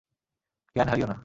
জ্ঞান হারিয়ো না।